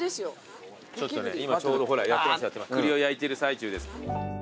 栗を焼いている最中です。